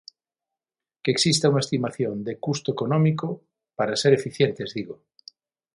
Que exista unha estimación de custo económico; para ser eficientes, digo.